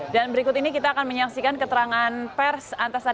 dan berikut ini kita akan menyaksikan keterangan pers